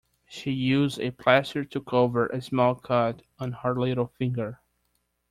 She used a plaster to cover a small cut on her little finger